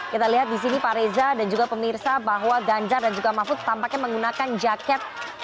kita lihat di sini pak reza dan juga pemirsa bahwa ganjar dan juga mahfud tampaknya menggunakan jaket